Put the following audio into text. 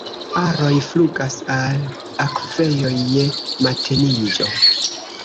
Aroj flugas al akvejoj je mateniĝo.